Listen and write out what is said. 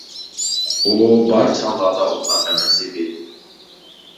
ئۇ بار چاغلاردا ئۇنداق ئەمەس ئىدى.